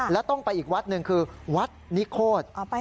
แล้วต้องไปอีกวัดหนึ่งคือวัดนิโคตร